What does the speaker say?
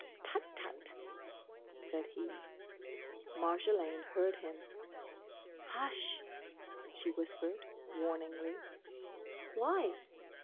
"Tut, tut!" said he. Marjolaine heard him. "Hush!" she whispered, warningly. "Why?"